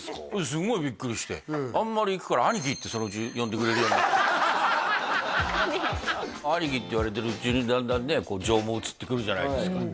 すっごいビックリしてあんまり行くから「アニキ」ってそのうち呼んでくれるようになってアニキって言われてるうちにだんだんねこう情も移ってくるじゃないですか